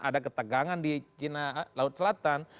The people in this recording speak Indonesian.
ada ketegangan di laut selatan